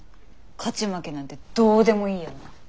勝ち負けなんてどうでもいいような。